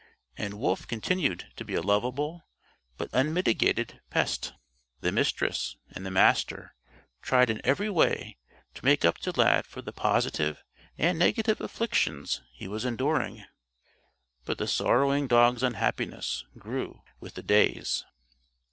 And Wolf continued to be a lovable, but unmitigated, pest. The Mistress and the Master tried in every way to make up to Lad for the positive and negative afflictions he was enduring, but the sorrowing dog's unhappiness grew with the days.